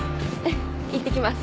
いってきます。